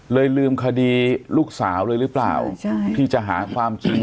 ลืมคดีลูกสาวเลยหรือเปล่าที่จะหาความจริง